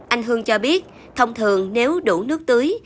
anh hương cho biết thông thường nếu đủ nước tưới